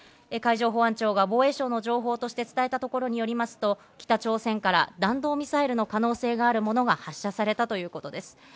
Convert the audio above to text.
海上保安庁が防衛省の情報として伝えたところによりますと、北朝鮮から弾道ミサイルの可能性があるものが発射されたということです。